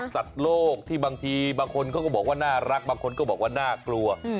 สัตว์โลกที่บางทีบางคนเขาก็บอกว่าน่ารักบางคนก็บอกว่าน่ากลัว